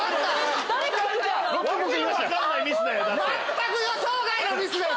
全く予想外のミスです！